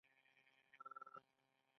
مګدها تر ټولو ځواکمن دولت و.